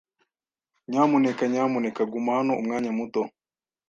Nyamuneka nyamuneka guma hano umwanya muto?